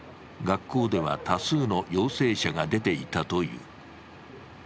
学校では多数の陽性者が出ていたという。